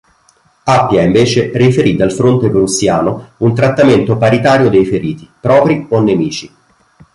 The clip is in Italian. Appia invece riferì dal fronte prussiano un trattamento paritario dei feriti, propri o nemici.